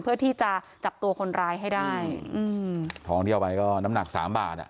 เพื่อที่จะจับตัวคนร้ายให้ได้อืมทองที่เอาไปก็น้ำหนักสามบาทอ่ะ